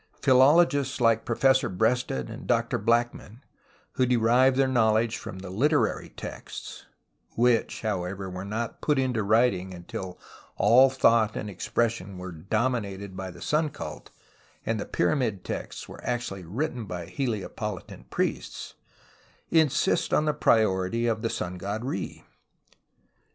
Philologists like Professor Breasted and l)r Hlackman, who derive their knowledge from the literary texts (which, however, were not put into writing until all thought and expres sion were dominated by tlie sun cult and the Pyramid Texts were actually written by Heliopolitan priests) insist on the priority of the sun god Re.